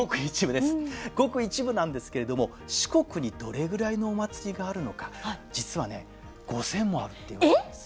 ごく一部なんですけれども四国にどれぐらいのお祭りがあるのか実はね５，０００もあるっていわれているんです。